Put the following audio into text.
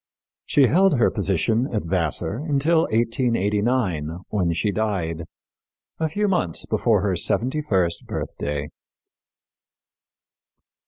She held her position at Vassar until 1889, when she died, a few months before her seventy first birthday.